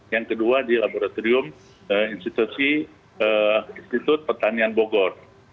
yang kedua di laboratorium institut pertanian bogor